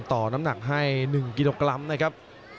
น้ำหนักให้๑กิโลกรัมนะครับ